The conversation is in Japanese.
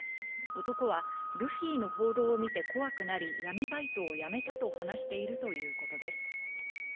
男はルフィの報道を見て怖くなり、闇バイトをやめたと話しているということです。